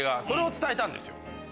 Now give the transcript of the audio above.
それを伝えたんですよ